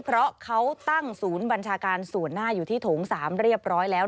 เพราะเขาตั้งศูนย์บัญชาการส่วนหน้าอยู่ที่โถง๓เรียบร้อยแล้ว